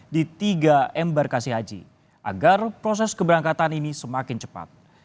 di tiga embarkasi haji agar proses keberangkatan ini semakin cepat